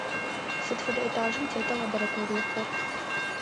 Сыд фэдэ этажым тета лабораториехэр?